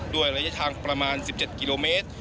ด้วยระยะทางประมาณ๑๗กิโลเมตร